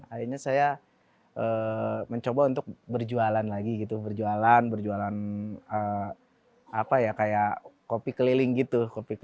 akhirnya saya mencoba untuk berjualan lagi gitu berjualan berjualan kayak kopi keliling gitu